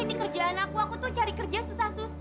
ini kerjaan aku aku tuh cari kerja susah susah